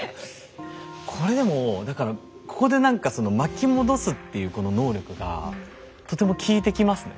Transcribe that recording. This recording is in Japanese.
これでもだからここで何かその「巻き戻す」っていうこの能力がとても効いてきますね。